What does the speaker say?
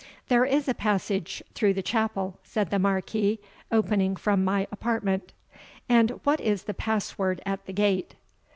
"There is a passage through the chapel," said the Marquis, "opening from my apartment." "And what is the pass word at the gate?"